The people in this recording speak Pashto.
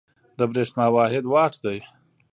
د برېښنا واحد وات دی.